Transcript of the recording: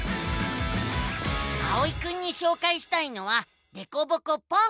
あおいくんにしょうかいしたいのは「でこぼこポン！」。